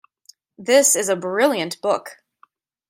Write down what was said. This is a brilliant book.